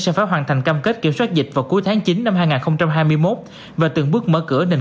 sẽ phải hoàn thành cam kết kiểm soát dịch vào cuối tháng chín năm hai nghìn hai mươi một và từng bước mở cửa nền